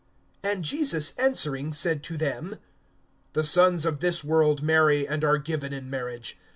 (34)And Jesus answering said to them: The sons of this world marry, and are given in marriage.